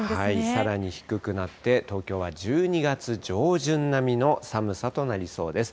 さらに低くなって、東京は１２月上旬並みの寒さとなりそうです。